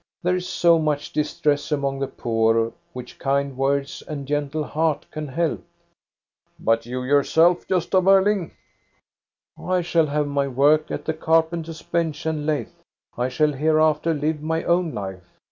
There is so much distress among the poor which kind words and a gentle heart can help." " But you yourself, Gosta Berling? "" I shall have my work at the carpenter's bench and lathe. I shall hereafter live my own life.